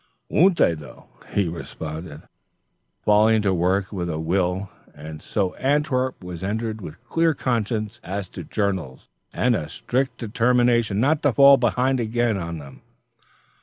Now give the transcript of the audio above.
"Won't they, though!" he responded, falling to work with a will. And so Antwerp was entered with clear consciences as to journals, and a strict determination not to fall behind again on them.